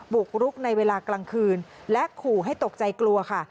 บุกรุกในเวลากลางคืนและขู่ให้ตกใจกลัวค่ะ